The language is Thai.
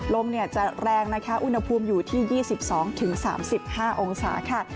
ลมจะแรงนะคะอุณหภูมิอยู่ที่๒๒๓๕องศาค่ะ